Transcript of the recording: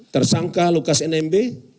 tersangka lukas nmb